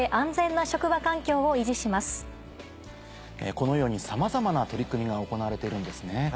このようにさまざまな取り組みが行われているんですね。